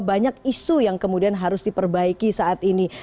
banyak isu yang kemudian harus diperbaiki saat ini